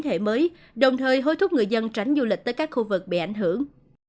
thể mới đồng thời hối thúc người dân tránh du lịch tới các khu vực bị ảnh hưởng